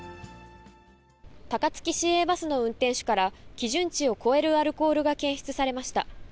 高槻市営バスの運転手から、基準値を超えるアルコールが検出されました。